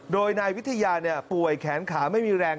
โดยนายวิทยาป่วยแขนขาไม่มีแรง